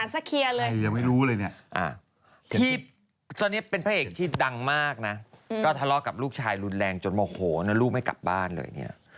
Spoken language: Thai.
อ๋ออ่ะสักเคียเลยอ่ะพี่ตอนเนี่ยเป็นผู้อาชีพดังมากนะก็ทะเลาะกับลูกชายรุนแรงจนว่าโหลลูกไม่กลับบ้านเลยเนี่ย